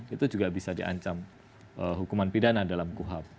itu juga bisa di ancam hukuman pidana dalam kuhab